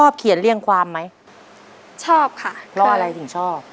เพราะอะไรถึงชอบ